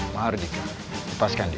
mahardika lepaskan dia